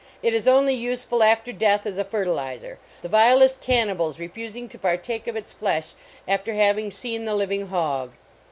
It is only useful, after death, as a fertilizer, the vilest cannibals refusing to partake of its flesh after having seen the living Hog.